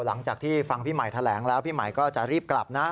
หลังจากที่ฟังพี่ใหม่แถลงแล้วพี่ใหม่ก็จะรีบกลับนะ